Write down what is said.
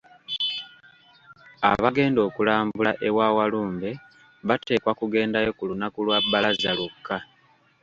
Abagenda okulambula ewa Walumbe bateekwa kugendayo ku lunaku lwa bbalaza lwokka.